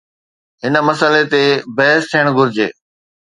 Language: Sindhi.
هن مسئلي تي بحث ٿيڻ گهرجي.